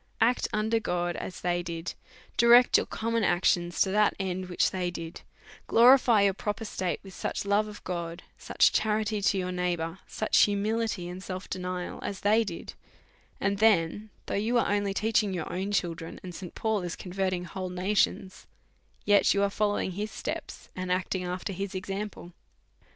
( Act under God as they did; direct your common actions to that end which they did ; glorify your pro per state with such love of God, such charity to your neighbour, such humility and self denial, as they did ; and thcHj though you are only teaching your own \ 90 A SERIOUS CALL TO A children, and St. Paul is converting" whole nations, yet you are following his steps, and acting after his example.